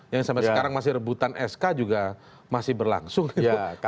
yang sampai sekarang masih rebutan sk juga masih berlangsung